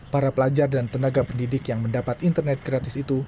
para pelajar dan tenaga pendidik yang mendapat internet gratis itu